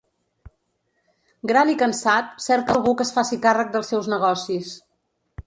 Gran i cansat, cerca algú que es faci càrrec dels seus negocis.